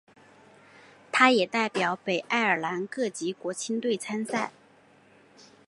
他也代表北爱尔兰各级国青队参赛。